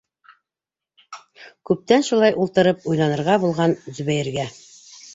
Күптән шулай ултырып уйланырға булған Зөбәйергә.